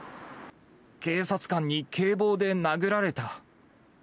警察官に警棒で殴られた。